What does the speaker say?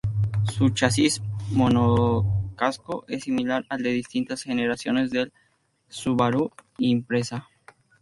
Su chasis monocasco es similar al de distintas generaciones del Subaru Impreza.